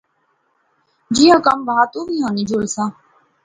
جیاں کم وہا، تو وی ہنی جولساں